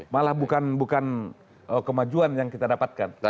malah bukan kemajuan yang kita dapatkan